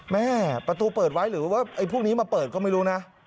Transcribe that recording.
แม่ประตูเปิดไว้หรือว่าไอ้พวกนี้มาเปิดก็ไม่รู้นะ